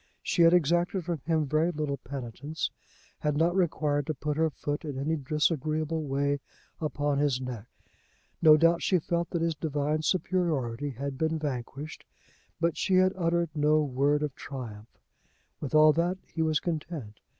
She had exacted from him very little penitence: had not required to put her foot in any disagreeable way upon his neck. No doubt she felt that his divine superiority had been vanquished, but she had uttered no word of triumph. With all that he was content.